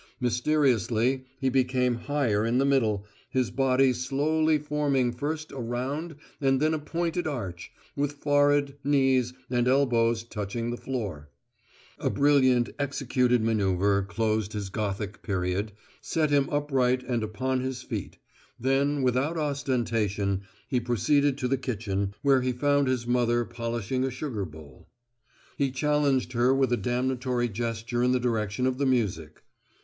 Mysteriously he became higher in the middle, his body slowly forming first a round and then a pointed arch, with forehead, knees, and elbows touching the floor. A brilliantly executed manoeuvre closed his Gothic period, set him upright and upon his feet; then, without ostentation, he proceeded to the kitchen, where he found his mother polishing a sugar bowl. He challenged her with a damnatory gesture in the direction of the music.